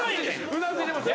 うなずいてます。